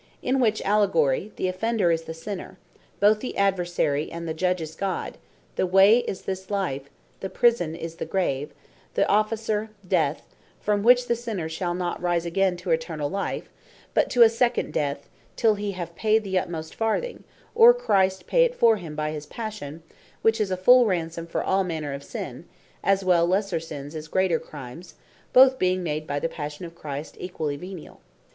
In which Allegory, the Offender is the Sinner; both the Adversary and the Judge is God; the Way is this Life; the Prison is the Grave; the Officer, Death; from which, the sinner shall not rise again to life eternall, but to a second Death, till he have paid the utmost farthing, or Christ pay it for him by his Passion, which is a full Ransome for all manner of sin, as well lesser sins, as greater crimes; both being made by the passion of Christ equally veniall.